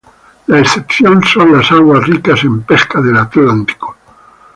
La excepción son las aguas ricas en pesca del Atlántico.